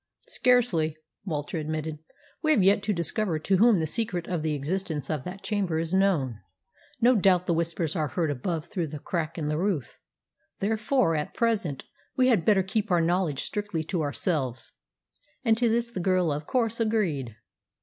"Scarcely," Walter admitted. "We have yet to discover to whom the secret of the existence of that chamber is known. No doubt the Whispers are heard above through the crack in the roof. Therefore, at present, we had better keep our knowledge strictly to ourselves." And to this the girl, of course, agreed.